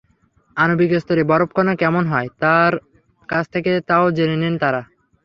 আণবিক স্তরে বরফকণা কেমন হয়, তার কাছ থেকে তাও জেনে নেন তাঁরা।